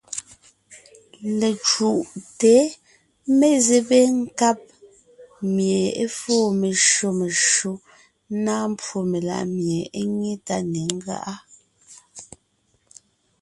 Lecǔʼte mezébé nkáb mie é fóo meshÿó meshÿó, ńnáa mbwó meláʼ mie é nyé tá ne ńgáʼa.